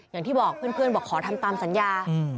อย่างที่บอกเพื่อนบอกขอทำตามสัญญา